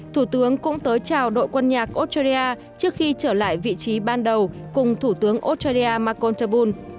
thủ tướng cũng tới chào đội quân nhạc australia trước khi trở lại vị trí ban đầu cùng thủ tướng australia marcontul